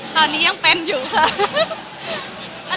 ใช่ค่ะยังเป็นอยู่ค่ะ